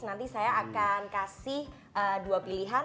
nanti saya akan kasih dua pilihan